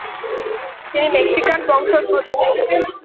তিনি মেক্সিকান বংশোদ্ভূত।